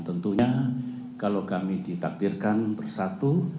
tentunya kalau kami ditakdirkan bersatu